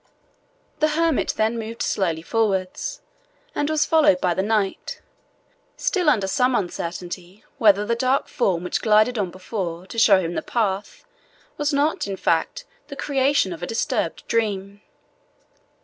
The hermit then moved slowly forwards, and was followed by the knight, still under some uncertainty whether the dark form which glided on before to show him the path was not, in fact, the creation of a disturbed dream.